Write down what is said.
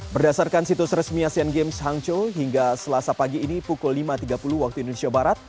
berdasarkan situs resmi asean games hangzhou hingga selasa pagi ini pukul lima tiga puluh waktu indonesia barat